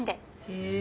へえ。